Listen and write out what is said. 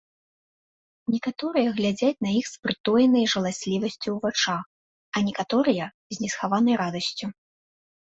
Некаторыя глядзяць на іх з прытоенай жаласлівасцю ў вачах, а некаторыя з несхаванай радасцю.